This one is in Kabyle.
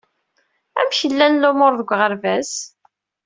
Amek llan lumuṛ deg uɣerbaz?